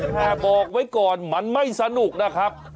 แต่บอกไว้ก่อนมันไม่สนุกนะครับ